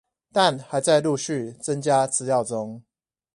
但還在陸續增加資料中